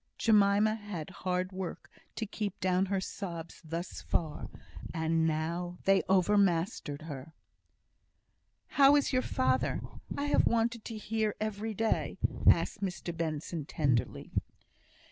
Jemima had hard work to keep down her sobs thus far, and now they overmastered her. "How is your father? I have wanted to hear every day," asked Mr Benson, tenderly.